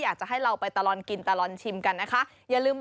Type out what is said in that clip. อยากจะให้เราไปตลอดกินตลอดชิมกันนะคะ